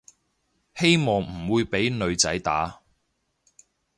希望唔會畀女仔打